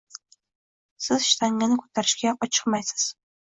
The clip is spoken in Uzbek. Siz shtangani ko’tarishga oshiqmaysiz.